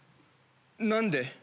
何で？